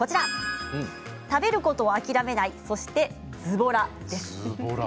食べることを諦めないそして、ずぼらです。